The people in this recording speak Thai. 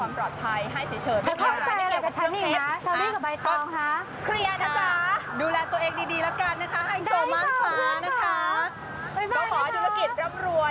ไว้คุยกันใหม่นะนี่หมดเวลาแล้วครั้งหน้าเธอต้องพาสุดไปครับ